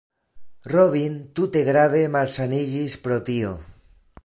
Robin tute grave malsaniĝis pro tio.